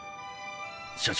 社長。